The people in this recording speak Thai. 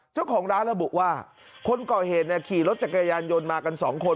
เจ้าของร้านระบุว่าคนก่อเหตุขี่รถจักรยานยนต์มากันสองคน